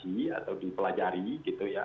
di atau dipelajari gitu ya